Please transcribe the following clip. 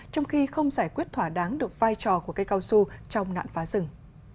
trong khi không giải quyết thỏa đáng được vai trò của cây cao su trong nạn phá rừng